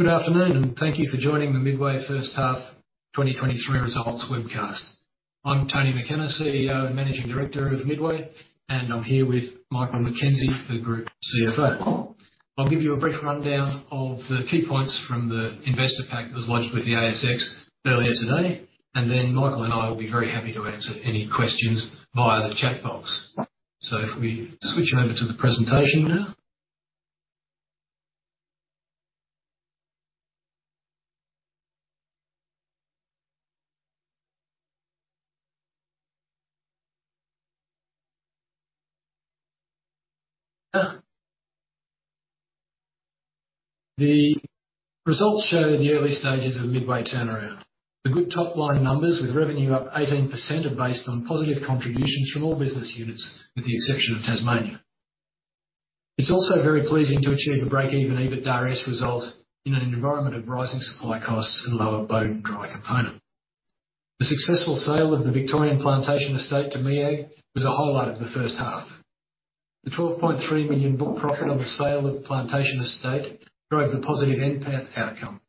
Good afternoon, and thank you for joining the Midway H1 2023 results webcast. I'm Tony McKenna, CEO and Managing Director of Midway, and I'm here with Michael McKenzie, the Group CFO. I'll give you a brief rundown of the key points from the investor pack that was lodged with the ASX earlier today, and then Michael and I will be very happy to answer any questions via the chat box. If we switch over to the presentation now. The results show the early stages of Midway turnaround. The good top-line numbers with revenue up 18% are based on positive contributions from all business units with the exception of Tasmania. It's also very pleasing to achieve a break-even EBITDA-S result in an environment of rising supply costs and lower bone dry component. The successful sale of the Victorian plantation estate to MEAG was a highlight of the H1. The 12.3 million book profit on the sale of plantation estate drove a positive NPAT outcome.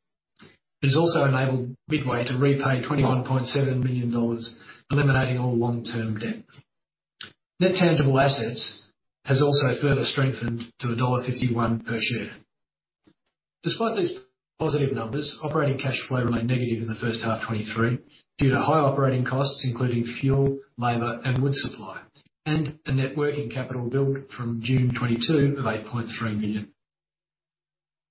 It has also enabled Midway to repay 21.7 million dollars, eliminating all long-term debt. Net tangible assets has also further strengthened to dollar 1.51 per share. Despite these positive numbers, operating cash flow remained negative in the H1 2023 due to high operating costs, including fuel, labor, and wood supply, and a net working capital build from June 2022 of 8.3 million.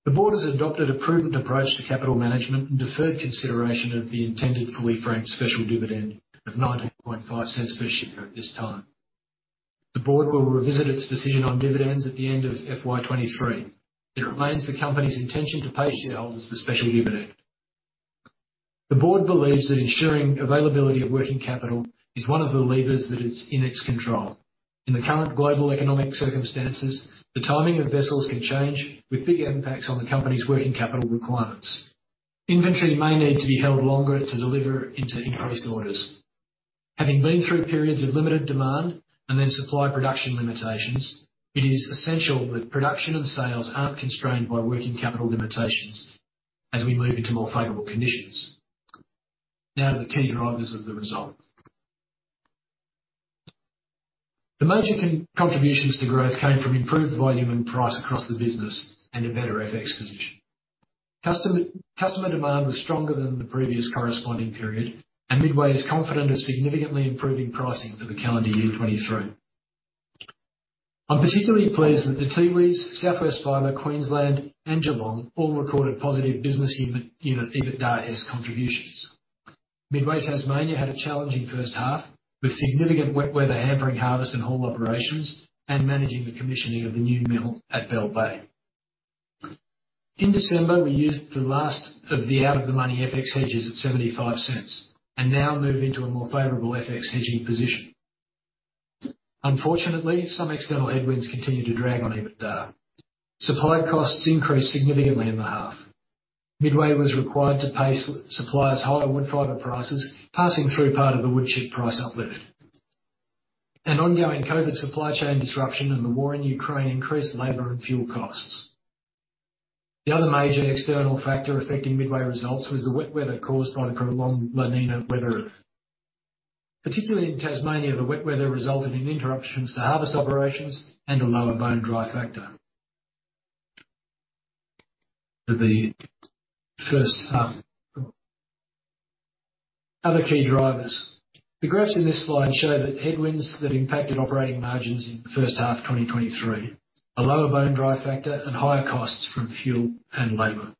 The board has adopted a prudent approach to capital management and deferred consideration of the intended fully franked special dividend of 0.095 per share at this time. The board will revisit its decision on dividends at the end of FY 2023. It remains the company's intention to pay shareholders the special dividend. The board believes that ensuring availability of working capital is one of the levers that is in its control. In the current global economic circumstances, the timing of vessels can change with big impacts on the company's working capital requirements. Inventory may need to be held longer to deliver into increased orders. Having been through periods of limited demand and then supply production limitations, it is essential that production and sales aren't constrained by working capital limitations as we move into more favorable conditions. To the key drivers of the result. The major contributions to growth came from improved volume and price across the business and a better FX position. Customer demand was stronger than the previous corresponding period. Midway is confident of significantly improving pricing for the calendar year 2023. I'm particularly pleased that the Tiwi's South West Fibre, Queensland, and GeelongPort all recorded positive business unit EBITDA-S contributions. Midway Tasmania had a challenging H1 with significant wet weather hampering harvest and haul operations and managing the commissioning of the new mill at Bell Bay. In December, we used the last of the out of the money FX hedges at 0.75 and now move into a more favorable FX hedging position. Unfortunately, some external headwinds continue to drag on EBITDA. Supply costs increased significantly in the half. Midway was required to pay suppliers higher wood fiber prices, passing through part of the wood chip price uplift. Ongoing COVID supply chain disruption and the war in Ukraine increased labor and fuel costs. The other major external factor affecting Midway results was the wet weather caused by the prolonged La Niña weather. Particularly in Tasmania, the wet weather resulted in interruptions to harvest operations and a lower bone dry factor. For the H1. Other key drivers. The graphs in this slide show that headwinds that impacted operating margins in the H1 2023, a lower bone dry factor and higher costs from fuel and labor.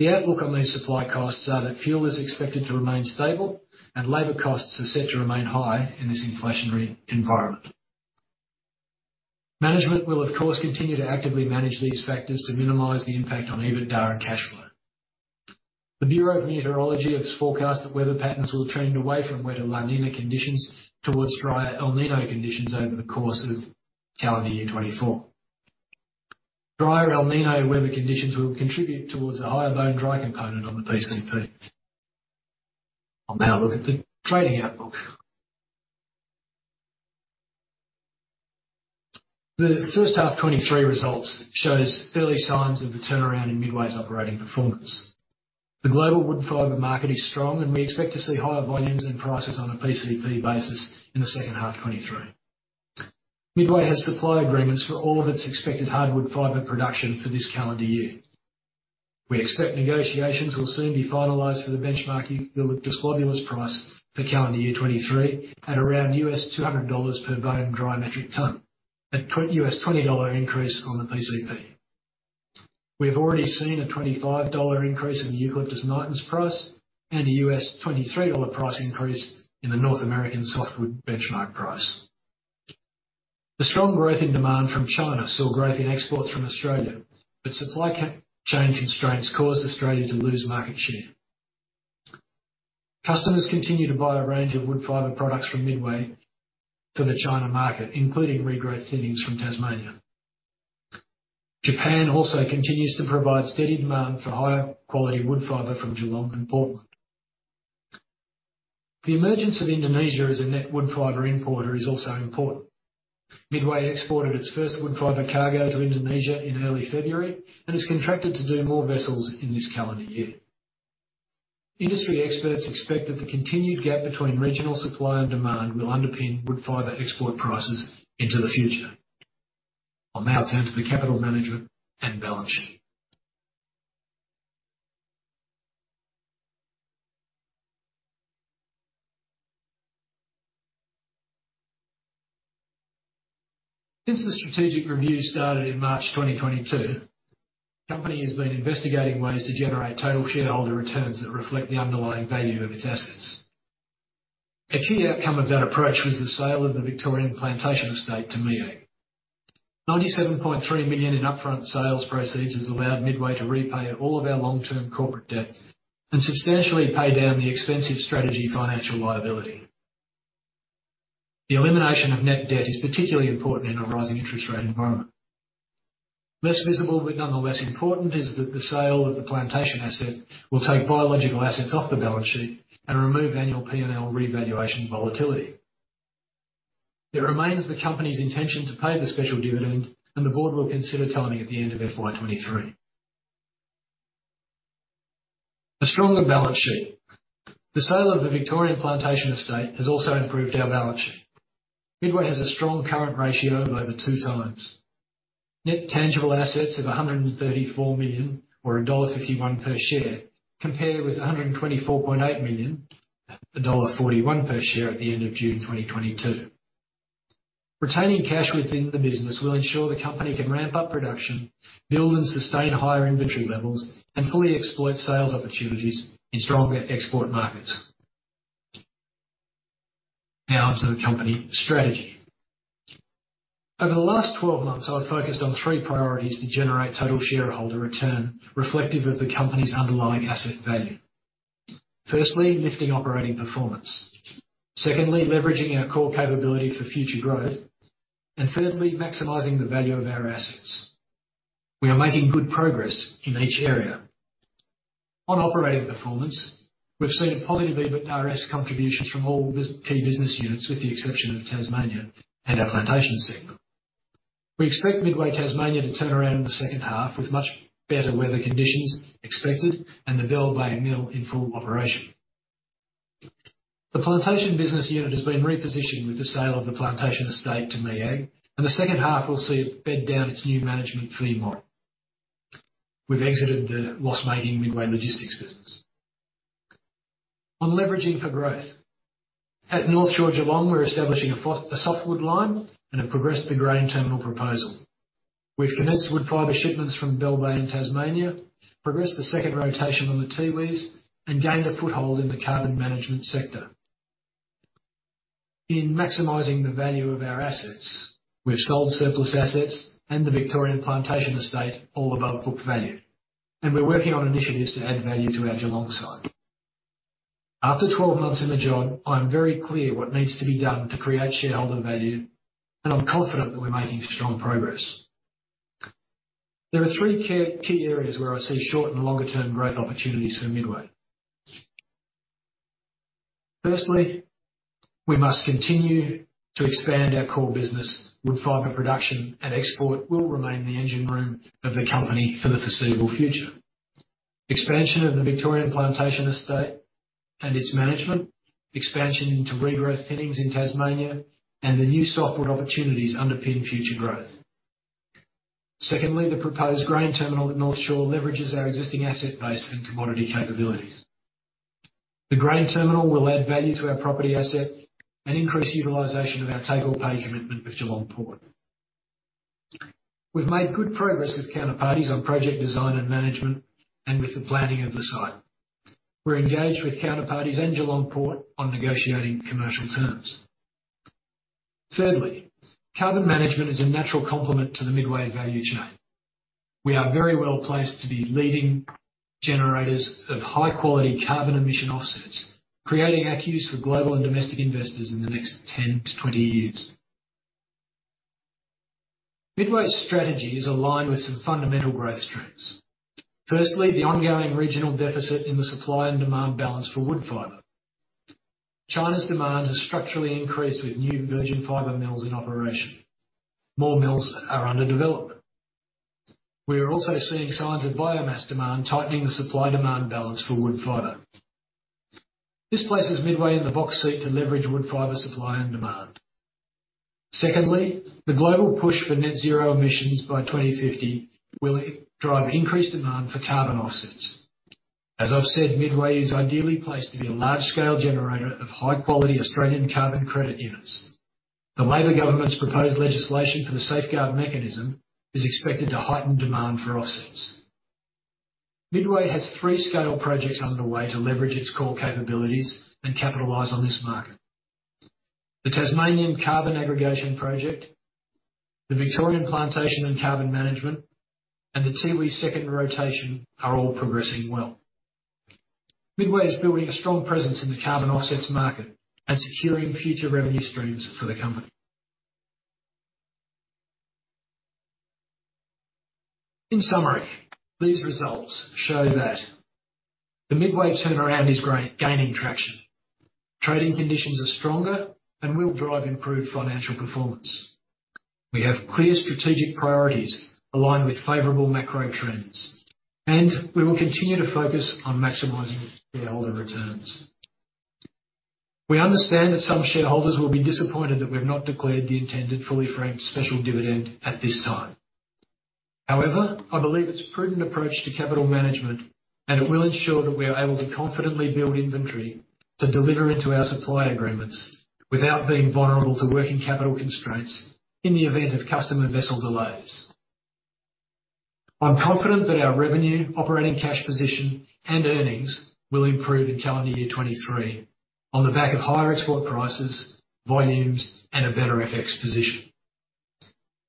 The outlook on these supply costs are that fuel is expected to remain stable and labor costs are set to remain high in this inflationary environment. Management will, of course, continue to actively manage these factors to minimize the impact on EBITDA and cash flow. The Bureau of Meteorology has forecast that weather patterns will trend away from wetter La Niña conditions towards drier El Niño conditions over the course of calendar year 2024. Drier El Niño weather conditions will contribute towards a higher bone dry component on the PCP. I'll now look at the trading outlook. The H1 2023 results shows early signs of the turnaround in Midway's operating performance. The global wood fiber market is strong. We expect to see higher volumes and prices on a PCP basis in the H2 2023. Midway has supply agreements for all of its expected hardwood fiber production for this calendar year. We expect negotiations will soon be finalized for the benchmarking Eucalyptus globulus price for calendar year 2023 at around $200 per bone dry metric ton, a $20 increase on the PCP. We've already seen a $25 increase in the Eucalyptus nitens price and a $23 price increase in the North American softwood benchmark price. The strong growth in demand from China saw growth in exports from Australia. Supply chain constraints caused Australia to lose market share. Customers continue to buy a range of wood fiber products from Midway for the China market, including regrowth thinnings from Tasmania. Japan also continues to provide steady demand for higher quality wood fiber from Geelong and Portland. The emergence of Indonesia as a net wood fiber importer is also important. Midway exported its first wood fiber cargo to Indonesia in early February and is contracted to do more vessels in this calendar year. Industry experts expect that the continued gap between regional supply and demand will underpin wood fiber export prices into the future. I'll now turn to the capital management and balance sheet. Since the strategic review started in March 2022, the company has been investigating ways to generate total shareholder returns that reflect the underlying value of its assets. A key outcome of that approach was the sale of the Victorian plantation estate to MEAG. 97.3 million in upfront sales proceeds has allowed Midway to repay all of our long-term corporate debt and substantially pay down the expensive Strategy financial liability. The elimination of net debt is particularly important in a rising interest rate environment. Less visible, but nonetheless important, is that the sale of the plantation asset will take biological assets off the balance sheet and remove annual P&L revaluation volatility. It remains the company's intention to pay the special dividend, and the board will consider timing at the end of FY 23. A stronger balance sheet. The sale of the Victorian plantation estate has also improved our balance sheet. Midway has a strong current ratio of over two times. Net tangible assets of 134 million, or dollar 1.51 per share, compare with 124.8 million, dollar 1.41 per share, at the end of June 2022. Retaining cash within the business will ensure the company can ramp up production, build and sustain higher inventory levels, and fully exploit sales opportunities in stronger export markets. Onto the company strategy. Over the last 12 months, I've focused on three priorities to generate total shareholder return reflective of the company's underlying asset value. Firstly, lifting operating performance. Secondly, leveraging our core capability for future growth. Thirdly, maximizing the value of our assets. We are making good progress in each area. On operating performance, we've seen a positive EBITDA-S contribution from all key business units, with the exception of Tasmania and our plantation segment. We expect Midway Tasmania to turn around in the H2 with much better weather conditions expected and the Bell Bay Mill in full operation. The plantation business unit has been repositioned with the sale of the plantation estate to MEAG, and the H2 will see it bed down its new management fee model. We've exited the loss-making Midway Logistics business. On leveraging for growth. At North Shore Geelong, we're establishing a softwood line and have progressed the grain terminal proposal. We've commenced wood fiber shipments from Bell Bay in Tasmania, progressed the second rotation on the Tiwis, and gained a foothold in the carbon management sector. In maximizing the value of our assets, we've sold surplus assets and the Victorian plantation estate all above book value, and we're working on initiatives to add value to our Geelong site. After 12 months in the job, I am very clear what needs to be done to create shareholder value, and I'm confident that we're making strong progress. There are three key areas where I see short and longer-term growth opportunities for Midway. We must continue to expand our core business. Woodfibre production and export will remain the engine room of the company for the foreseeable future. Expansion of the Victorian plantation estate and its management, expansion into regrowth thinnings in Tasmania, and the new softwood opportunities underpin future growth. The proposed grain terminal at North Shore leverages our existing asset base and commodity capabilities. The grain terminal will add value to our property asset and increase utilization of our take-or-pay commitment with GeelongPort. We've made good progress with counterparties on project design and management, and with the planning of the site. We're engaged with counterparties and GeelongPort on negotiating commercial terms. Thirdly, carbon management is a natural complement to the Midway value chain. We are very well placed to be leading generators of high-quality carbon emission offsets, creating ACCUs for global and domestic investors in the next 10-20 years. Midway's strategy is aligned with some fundamental growth strengths. Firstly, the ongoing regional deficit in the supply and demand balance for wood fiber. China's demand has structurally increased with new virgin fiber mills in operation. More mills are under development. We are also seeing signs of biomass demand tightening the supply-demand balance for wood fiber. This places Midway in the box seat to leverage wood fiber supply and demand. Secondly, the global push for net zero emissions by 2050 will drive increased demand for carbon offsets. As I've said, Midway is ideally placed to be a large-scale generator of high-quality Australian Carbon Credit Units. The Labor government's proposed legislation for the Safeguard Mechanism is expected to heighten demand for offsets. Midway has three scale projects underway to leverage its core capabilities and capitalize on this market. The Tasmanian Carbon Aggregation Project, the Victorian Plantation and Carbon Management, and the Tiwi Second Rotation are all progressing well. Midway is building a strong presence in the carbon offsets market and securing future revenue streams for the company. In summary, these results show that the Midway turnaround is great, gaining traction. Trading conditions are stronger and will drive improved financial performance. We have clear strategic priorities aligned with favorable macro trends, and we will continue to focus on maximizing shareholder returns. We understand that some shareholders will be disappointed that we've not declared the intended fully franked special dividend at this time. I believe it's a prudent approach to capital management, and it will ensure that we are able to confidently build inventory to deliver into our supply agreements without being vulnerable to working capital constraints in the event of customer vessel delays. I'm confident that our revenue, operating cash position, and earnings will improve in calendar year 23 on the back of higher export prices, volumes, and a better FX position.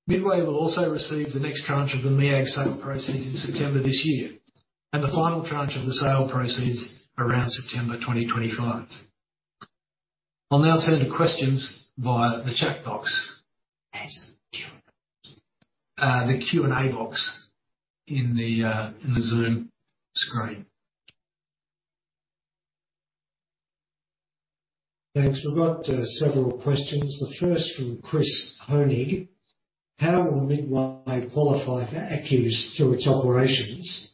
Midway will also receive the next tranche of the MEAG sale proceeds in September this year and the final tranche of the sale proceeds around September 2025. I'll now turn to questions via the chat box. The Q&A box. The Q&A box in the Zoom screen. Thanks. We've got several questions. The first from Chris Honeywill. How will Midway qualify for ACCUs through its operations,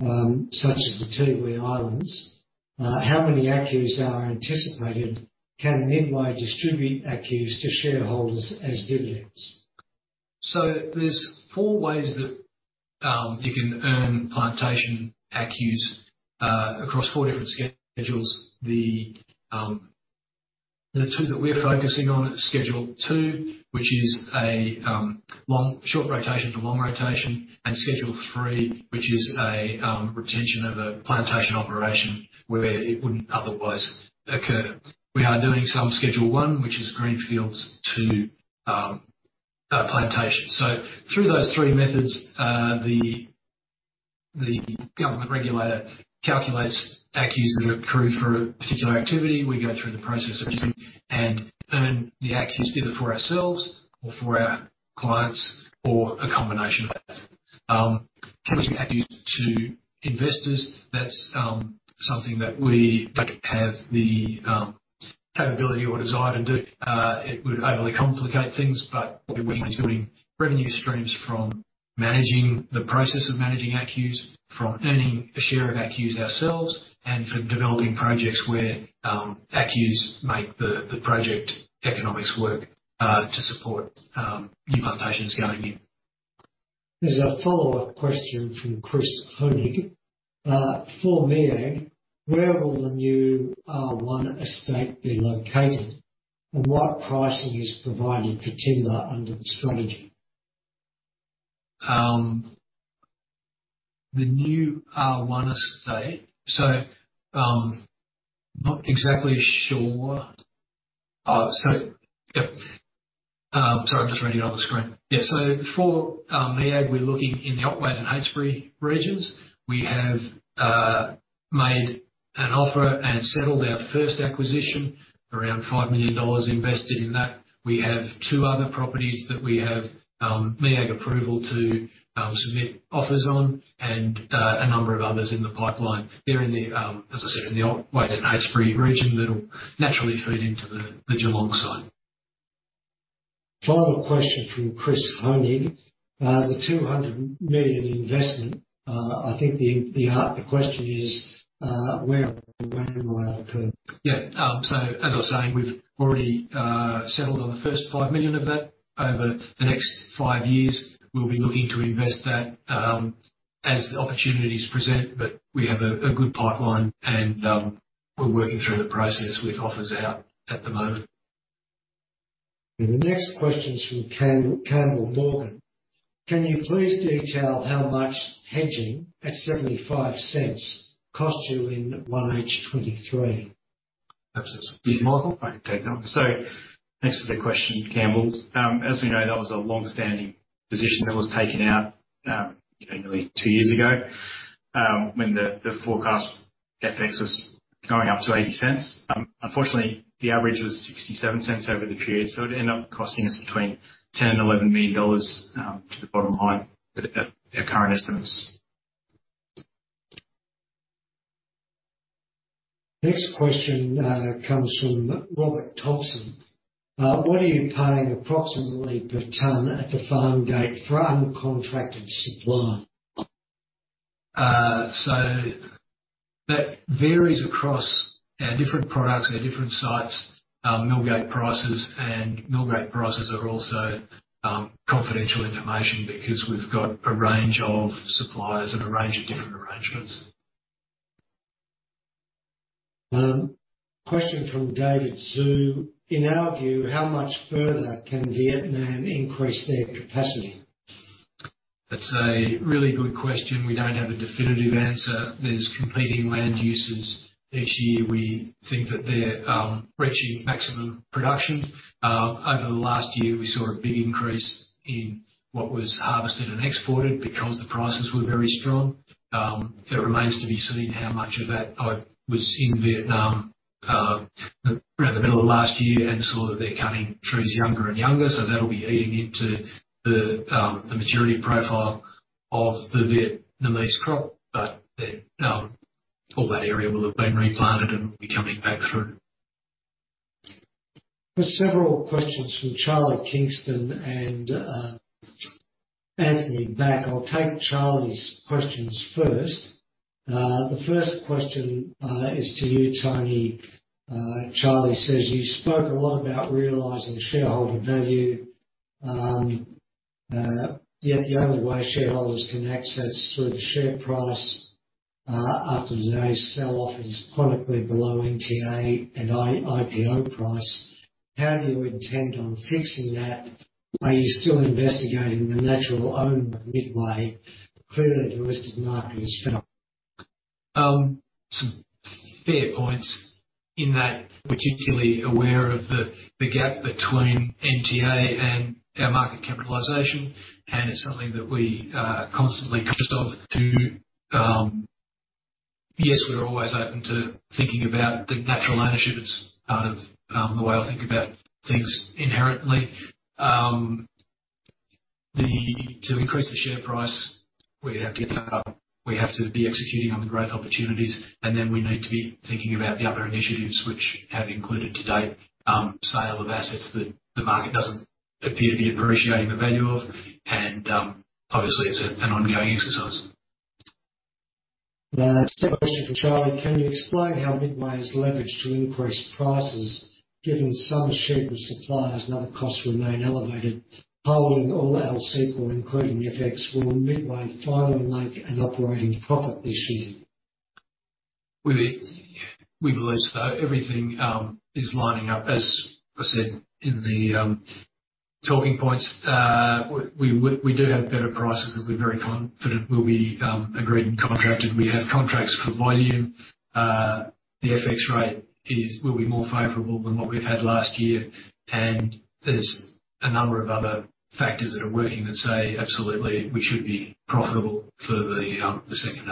such as the Tiwi Islands? How many ACCUs are anticipated? Can Midway distribute ACCUs to shareholders as dividends? There's four ways that you can earn plantation ACCUs across four different schedules. The two that we're focusing on are Schedule 2, which is a long, short rotation to long rotation, and Schedule 3, which is a retention of a plantation operation where it wouldn't otherwise occur. We are doing some Schedule 1, which is greenfields to plantation. Through those three methods, the government regulator calculates ACCUs that accrue for a particular activity. We go through the process of doing and earn the ACCUs either for ourselves or for our clients or a combination of that. Can we do ACCUs to investors? That's something that we don't have the capability or desire to do. It would overly complicate things, what we're doing is building revenue streams from managing the process of managing ACCUs, from earning a share of ACCUs ourselves, and from developing projects where ACCUs make the project economics work to support new plantations going in. There's a follow-up question from Chris Honeywill. For MEAG, where will the new R1 estate be located? What pricing is provided for timber under the strategy? The new R1 estate. Not exactly sure. Yep. Sorry, I'm just reading it on the screen. For MEAG, we're looking in the Otways and Heytesbury regions. We have made an offer and settled our first acquisition, around 5 million dollars invested in that. We have two other properties that we have MEAG approval to submit offers on and a number of others in the pipeline. They're in the, as I said, in the Otways and Heytesbury region that'll naturally feed into the Geelong site. Final question from Chris Honeywill. The 200 million investment, I think the heart of the question is, where and when will it occur? Yeah. As I was saying, we've already settled on the first 5 million of that. Over the next five years, we'll be looking to invest that, as opportunities present. We have a good pipeline, and we're working through the process with offers out at the moment. The next question is from Campbell Morgan. Can you please detail how much hedging at 0.75 cost you in 1H 2023? Absolutely. Michael? I can take that one. Thanks for the question, Campbell. As we know, that was a long-standing position that was taken out, nearly two years ago, when the forecast FX was going up to 0.80. Unfortunately, the average was 0.67 over the period, so it ended up costing us between 10 million and 11 million dollars to the bottom line at our current estimates. Next question, comes from Robert Thompson. What are you paying approximately per ton at the farm gate for uncontracted supply? That varies across our different products, our different sites, mill gate prices and mill gate prices are also confidential information because we've got a range of suppliers and a range of different arrangements. Question from David Zhu. In our view, how much further can Vietnam increase their capacity? That's a really good question. We don't have a definitive answer. There's competing land uses each year. We think that they're reaching maximum production. Over the last year, we saw a big increase in what was harvested and exported because the prices were very strong. It remains to be seen how much of that was in Vietnam, around the middle of last year and saw that they're cutting trees younger and younger, so that'll be eating into the maturity profile of the Vietnamese crop. All that area will have been replanted and will be coming back through. There's several questions from Charlie Kingston and Anthony Back. I'll take Charlie's questions first. The first question is to you, Tony. Charlie says, "You spoke a lot about realizing shareholder value. Yet the only way shareholders can access through the share price after today's sell-off is chronically below NTA and IPO price. How do you intend on fixing that? Are you still investigating the natural owner Midway? Clearly, the listed market has fell. Some fair points in that. Particularly aware of the gap between NTA and our market capitalization, and it's something that we constantly conscious of to. Yes, we're always open to thinking about the natural ownership. It's part of the way I think about things inherently. To increase the share price, we have to get that up. We have to be executing on the growth opportunities, and then we need to be thinking about the other initiatives which have included to date, sale of assets that the market doesn't appear to be appreciating the value of. Obviously, it's an ongoing exercise. Second question from Charlie: Can you explain how Midway is leveraged to increase prices given some cheaper suppliers and other costs remain elevated? Barring all else equal, including FX, will Midway finally make an operating profit this year? We believe so. Everything is lining up. As I said in the talking points, we do have better prices that we're very confident will be agreed and contracted. We have contracts for volume. The FX rate will be more favorable than what we've had last year. There's a number of other factors that are working that say, absolutely, we should be profitable for the H2.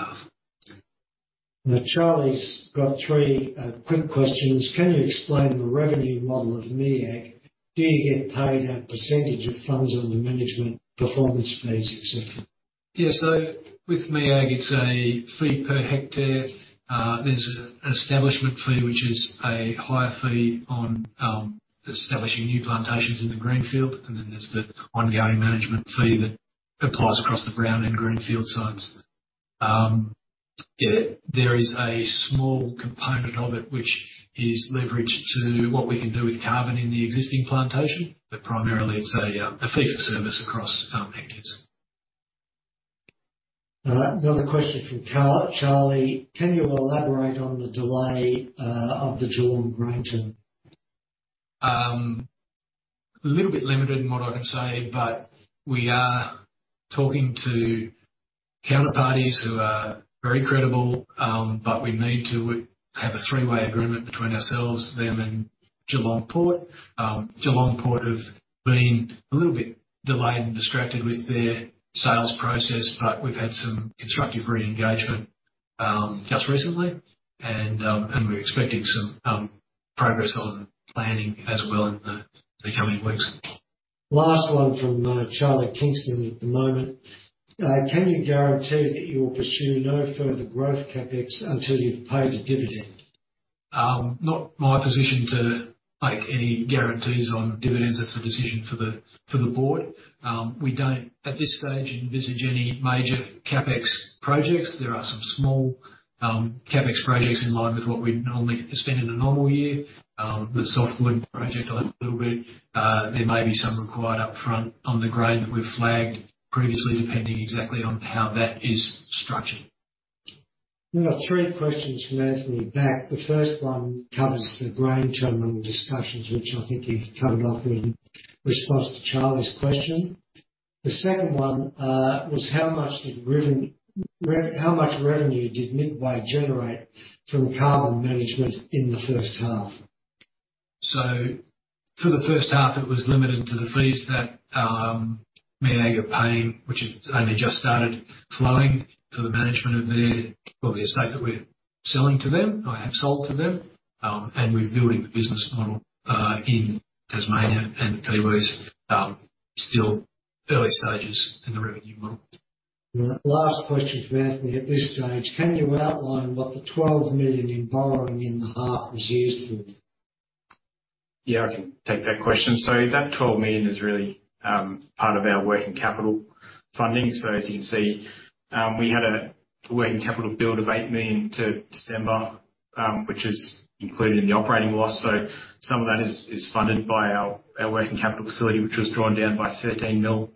Charlie's got three quick questions. Can you explain the revenue model of MEAG? Do you get paid a % of funds under management performance fees, et cetera? With MEAG, it's a fee per hectare. There's an establishment fee, which is a higher fee on establishing new plantations in the greenfield. Then there's the ongoing management fee that applies across the brown and greenfield sites. There is a small component of it which is leveraged to what we can do with carbon in the existing plantation. Primarily it's a fee for service across hectares. another question from Charlie: Can you elaborate on the delay of the Geelong grain. A little bit limited in what I can say, but we are talking to counterparties who are very credible. We need to have a three-way agreement between ourselves, them, and Geelong Port. Geelong Port have been a little bit delayed and distracted with their sales process, but we've had some constructive re-engagement just recently. We're expecting some progress on planning as well in the coming weeks. Last one from Charlie Kingston at the moment. Can you guarantee that you will pursue no further growth CapEx until you've paid a dividend? Not my position to make any guarantees on dividends. That's a decision for the, for the board. We don't, at this stage, envisage any major CapEx projects. There are some small CapEx projects in line with what we'd normally spend in a normal year. The softwood project a little bit. There may be some required up front on the grain that we've flagged previously, depending exactly on how that is structured. We've got three questions from Anthony Back. The first one covers the Grain Terminal discussions, which I think you've covered off in response to Charlie's question. The second one was how much revenue did Midway generate from carbon management in the H1? For the H1, it was limited to the fees that MEAG are paying, which have only just started flowing for the management of their, well, the estate that we're selling to them, or have sold to them. We're building the business model in Tasmania and the Tamar Valley is still early stages in the revenue model. All right. Last question from Anthony at this stage. Can you outline what the 12 million in borrowing in the half was used for? Yeah, I can take that question. That 12 million is really part of our working capital funding. As you can see, we had a working capital build of 8 million to December, which is included in the operating loss. Some of that is funded by our working capital facility, which was drawn down by 13 million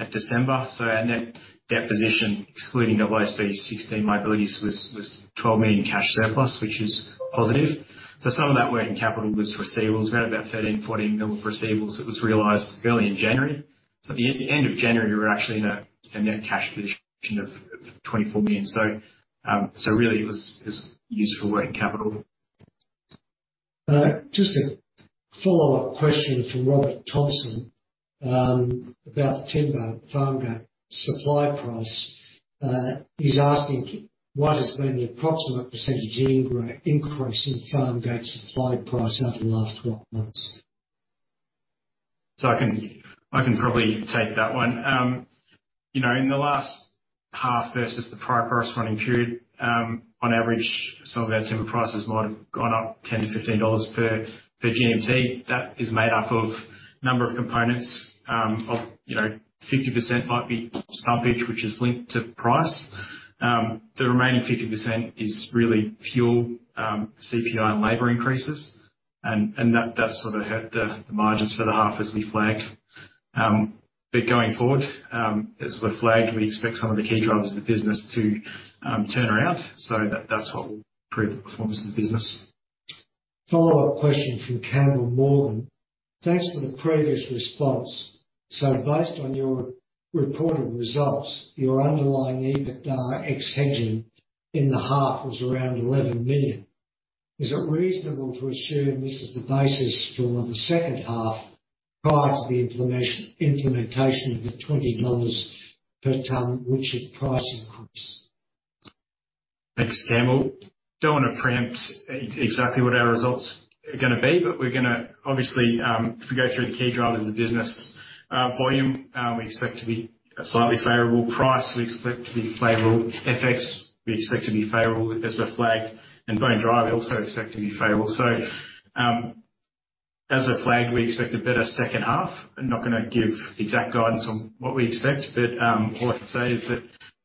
at December. Our net debt position, excluding the AASB 16 liabilities, was 12 million cash surplus, which is positive. Some of that working capital was receivables. We had about 13 million-14 million of receivables that was realized early in January. At the end of January, we were actually in a net cash position of 24 million. Really it was used for working capital. Just a Follow-up question from Robert Thompson about timber farm gate supply price. He's asking, "What has been the approximate percentage increase in farm gate supply price over the last 12 months? I can probably take that one. You know, in the last half versus the prior corresponding period, on average, some of our timber prices might have gone up 10-15 dollars per GMT. That is made up of a number of components, of, you know, 50% might be stumpage, which is linked to price. The remaining 50% is really fuel, CPI and labor increases. And that sort of hurt the margins for the half as we flagged. Going forward, as we flagged, we expect some of the key drivers of the business to turn around, so that's what will improve the performance of the business. Follow-up question from Campbell Morgan. "Thanks for the previous response. Based on your reported results, your underlying EBITDA ex hedging in the half was around 11 million. Is it reasonable to assume this is the basis for the H2 prior to the implementation of the 20 dollars per ton woodchip price increase? Thanks, Campbell. Don't wanna preempt exactly what our results are gonna be. We're gonna, obviously, if we go through the key drivers of the business, volume, we expect to be a slightly favorable price. We expect to be favorable FX. We expect to be favorable as we flagged. Bone dry, we also expect to be favorable. As we flagged, we expect a better H2. I'm not gonna give exact guidance on what we expect. All I can say is that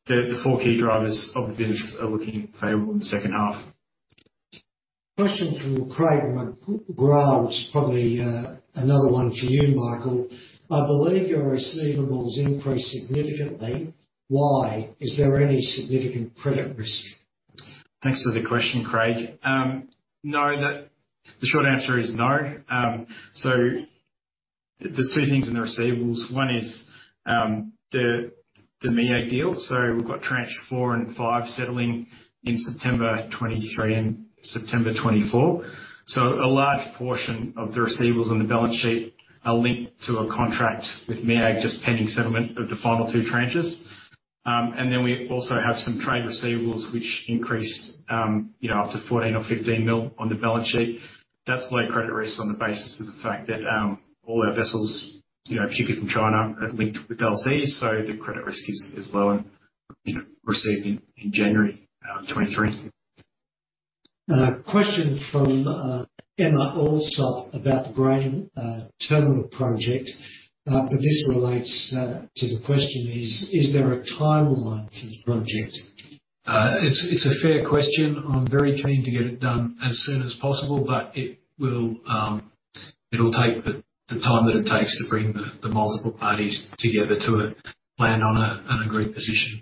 the four key drivers of the business are looking favorable in the H2. Question from Craig McGrath. It's probably another one for you, Michael. "I believe your receivables increased significantly. Why? Is there any significant credit risk? Thanks for the question, Craig. No, the short answer is no. There's two things in the receivables. One is the MEAG deal. We've got tranche four and five settling in September 2023 and September 2024. A large portion of the receivables on the balance sheet are linked to a contract with MEAG, just pending settlement of the final two tranches. We also have some trade receivables which increase, you know, up to 14 million or 15 million on the balance sheet. That's low credit risk on the basis of the fact that all our vessels, you know, particularly from China, are linked with LCs, the credit risk is low and, you know, received in January 2023. Question from Emma Allsop about the grain terminal project. This relates to the question: "Is there a timeline for the project? It's a fair question. I'm very keen to get it done as soon as possible. It will, it'll take the time that it takes to bring the multiple parties together to a plan on a agreed position.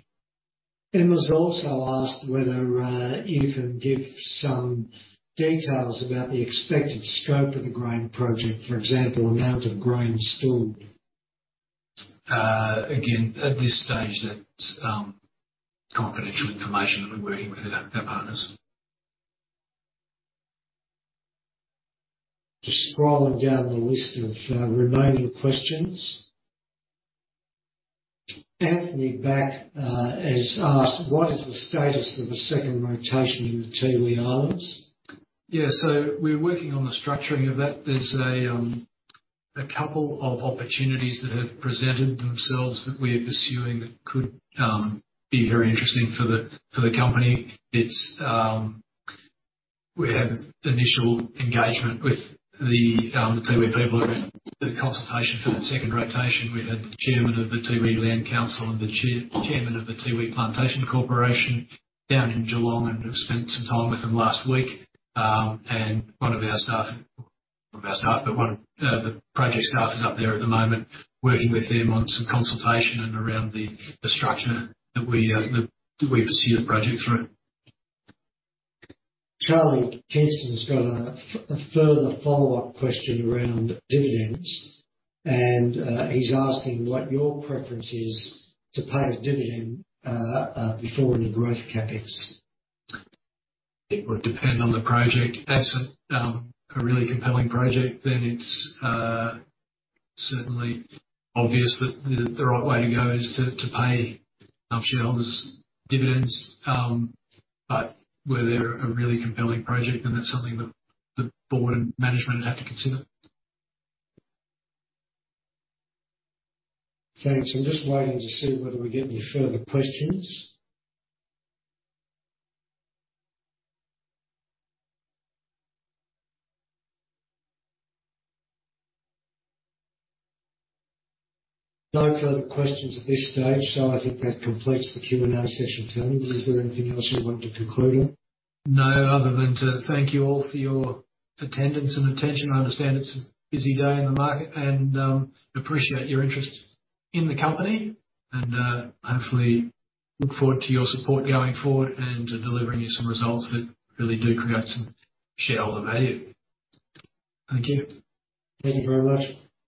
Emma's also asked whether you can give some details about the expected scope of the grain project. For example, amount of grain stored. Again, at this stage, that's confidential information that we're working with our partners. Just scrolling down the list of remaining questions. Anthony Back has asked, "What is the status of the Second Rotation in the Tiwi Islands? Yeah. We're working on the structuring of that. There's a couple of opportunities that have presented themselves that we are pursuing that could be very interesting for the company. It's. We had initial engagement with the Tiwi people around the consultation for that Second Rotation. We had the chairman of the Tiwi Land Council and the chairman of the Tiwi Plantation Corporation down in Geelong, and we've spent some time with them last week. One of the project staff is up there at the moment working with them on some consultation and around the structure that we pursue the project through. Charlie Kingston got a further follow-up question around dividends, and he's asking what your preference is to pay a dividend before any growth CapEx. It would depend on the project. If that's a really compelling project, then it's certainly obvious that the right way to go is to pay shareholders dividends. Were there a really compelling project then that's something the board and management would have to consider. Thanks. I'm just waiting to see whether we get any further questions. No further questions at this stage, I think that completes the Q&A session. Tony, is there anything else you want to conclude on? No, other than to thank you all for your attendance and attention. I understand it's a busy day in the market and, appreciate your interest in the company and, hopefully look forward to your support going forward and delivering you some results that really do create some shareholder value. Thank you. Thank you very much.